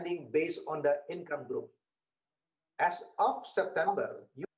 jika kemaskitan masih berlaku